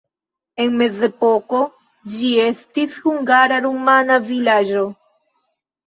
En mezepoko ĝi estis hungara-rumana vilaĝo.